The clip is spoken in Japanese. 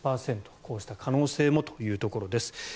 こうした可能性もというところです。